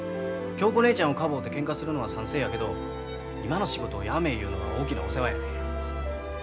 恭子姉ちゃんをかぼうてけんかするのは賛成やけど今の仕事をやめ言うのは大きなお世話やで。